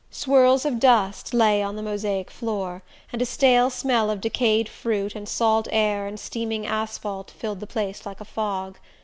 Swirls of dust lay on the mosaic floor, and a stale smell of decayed fruit and salt air and steaming asphalt filled the place like a fog.